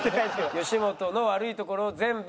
吉本の悪いところ全部？